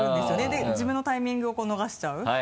で自分のタイミングを逃しちゃう。